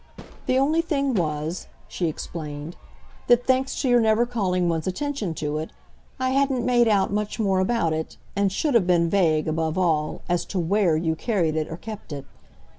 The only thing was," she explained, "that thanks to your never calling one's attention to it, I hadn't made out much more about it, and should have been vague, above all, as to WHERE you carried it or kept it.